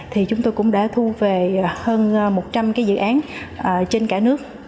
thì chúng tôi cũng đã thu về hơn một trăm linh cái dự án trên cả nước